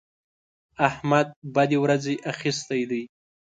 احمد بدې ورځې اخيستی دی.